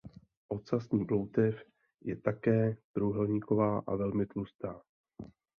Ocasní ploutev je také trojúhelníková a velmi tlustá.